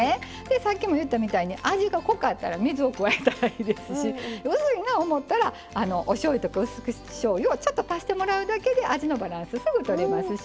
さっきも言ったみたいに味が濃かったら水を加えたらいいですし薄いな思ったらおしょうゆとかうす口しょうゆをちょっと足してもらうだけで味のバランスすぐとれますしね。